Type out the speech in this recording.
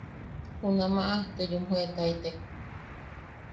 Junamaʼa te yumjoetaitek.